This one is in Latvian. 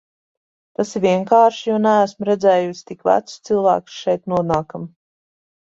Tas ir vienkārši, jo neesmu redzējusi tik vecus cilvēkus šeit nonākam.